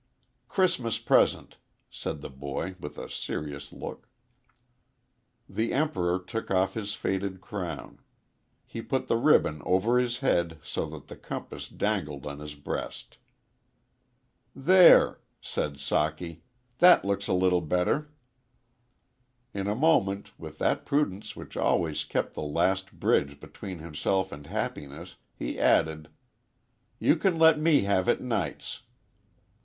"C'ris'mus present," said the boy, with a serious look. The Emperor took off his faded crown. He put the ribbon over his head so that the compass dangled on his breast. "There," said Socky, "that looks a little better." In a moment, with that prudence which always kept the last bridge between himself and happiness, he added, "You can let me have it nights."